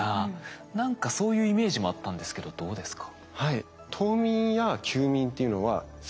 何かそういうイメージもあったんですけどどうですか？